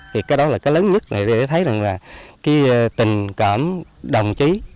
thì cái đó là cái lớn nhất này để thấy rằng là cái tình cảm đồng chí